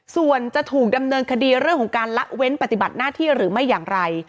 ส่วนจะถูกดำเนินคดีเรื่องของการละเว้นปฏิบัติหน้าที่หรือไม่อย่างไร